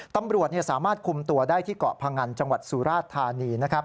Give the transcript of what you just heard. ตำรวจสามารถคุมตัวได้ที่เกาะพงันจังหวัดสุราชธานี